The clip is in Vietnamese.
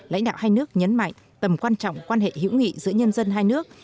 lãnh đạo hai nước nhấn mạnh tầm quan trọng quan hệ hữu nghị giữa nhân dân hai nước